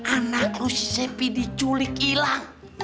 anak lu cepi diculik ilang